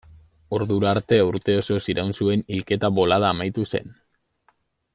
Ordura arte urte osoz iraun zuen hilketa bolada amaitu zen.